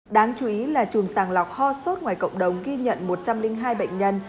đáng chú ý là chùm sàng lọc ho sốt ngoài cộng đồng ghi nhận một trăm linh hai bệnh nhân